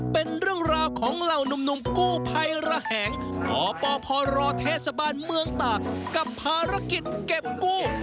เป็นเรื่องราวของเหล่าหนุ่มกู้ภัยระแหงกปพรเทศบาลเมืองตากกับภารกิจเก็บกู้